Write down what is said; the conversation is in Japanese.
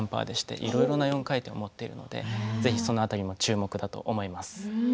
いろいろなジャンプを持っているのでぜひその辺りも注目だと思います。